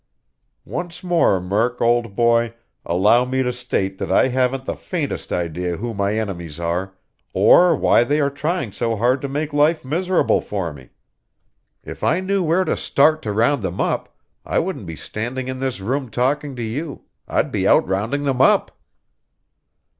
"Once more, Murk, old boy, allow me to state that I haven't the faintest idea who my enemies are, or why they are trying so hard to make life miserable for me. If I knew where to start to round them up, I wouldn't be standing in this room talking to you I'd be out rounding them up!"